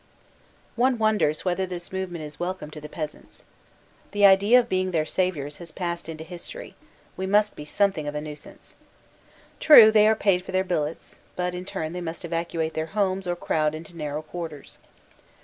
One wonders whether this movement is welcome to the peasants. The idea of being their saviors has passed into his tory; we must be something of a nuisance. True, they are paid for their billets; but in turn they must evacuate their homes or crowd into narrow quarters.